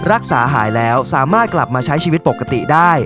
รักษาหายแล้วสามารถกลับมาใช้ชีวิตปกติได้